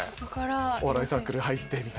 お笑いサークル入って。